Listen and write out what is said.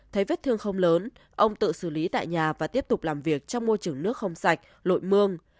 thấy vết thương không lớn ông tự xử lý tại nhà và tiếp tục làm việc trong môi trường nước không sạch lội mương